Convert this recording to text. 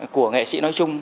của nghệ sĩ nói chung